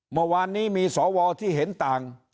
เมื่อวานนี้มีสวที่เห็นต่าง